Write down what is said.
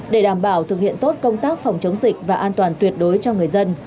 để đảm bảo thực hiện tốt công tác phòng chống dịch và an toàn tuyệt đối cho người dân